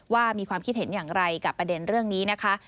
มีความคิดเห็นอย่างไรกับประเด็นเรื่องนี้นะคะ